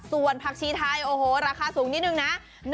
ส่วนผักชีไทยโอ้โหราคาสูงนิดนึงนะ